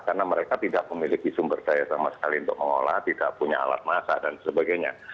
karena mereka tidak memiliki sumber daya sama sekali untuk mengolah tidak punya alat masak dan sebagainya